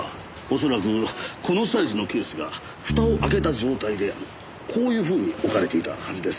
恐らくこのサイズのケースが蓋を開けた状態でこういうふうに置かれていたはずです。